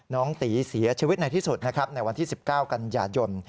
น้องตี๋เสียชีวิตในที่สุดในวันที่๑๙กันยาตรยนต์